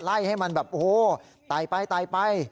ไล่ให้มันแบบโอ้โฮไตไปไป